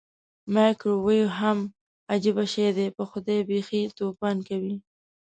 مایکرو ویو هم عجبه شی دی پخدای بیخې توپان کوي.